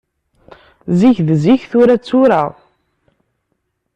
Zik d zik, tura d tura.